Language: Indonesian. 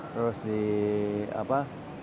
terus di apa